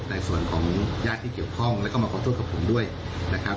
แต่ส่วนของญาติที่เกี่ยวข้องแล้วก็มาขอโทษกับผมด้วยนะครับ